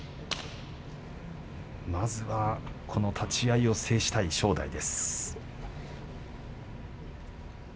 まずはこの立ち合いを制したい正代です。